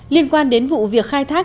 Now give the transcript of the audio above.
liên quan đến vụ việc khai thác